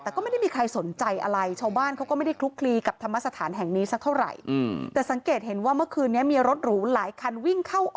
แต่ก็ไม่ได้มีใครสนใจอะไร